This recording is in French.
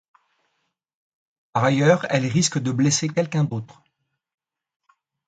Par ailleurs, elle risque de blesser quelqu'un d'autre.